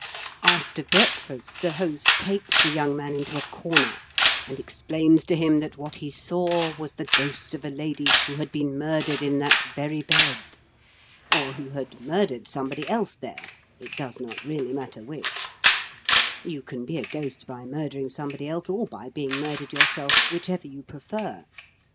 After breakfast the host takes the young man into a corner, and explains to him that what he saw was the ghost of a lady who had been murdered in that very bed, or who had murdered somebody else there it does not really matter which: you can be a ghost by murdering somebody else or by being murdered yourself, whichever you prefer.